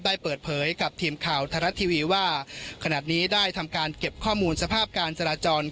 ได้เปิดเผยกับทีมข่าวไทยรัฐทีวีว่าขณะนี้ได้ทำการเก็บข้อมูลสภาพการจราจร